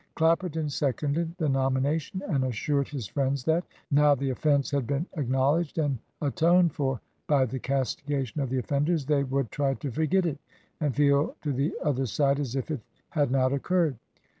Clapperton seconded the nomination, and assured his friends that, now the offence had been acknowledged and atoned for by the castigation of the offenders, they would try to forget it and feel to the other side as if it had not occurred.